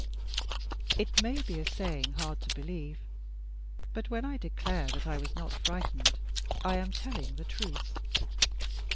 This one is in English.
It may be a saying hard to believe but, when I declare that I was not frightened, I am telling the truth.